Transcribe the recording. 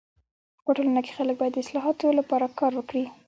په ټولنه کي خلک باید د اصلاحاتو لپاره کار وکړي.